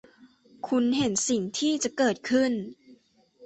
คุณเห็นสิ่งที่จะเกิดขึ้น